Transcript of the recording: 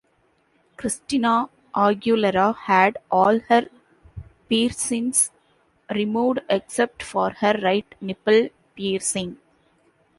Christina Aguilera had all her piercings removed except for her right nipple piercing.